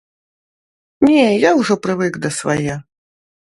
Не, я ўжо прывык да свае.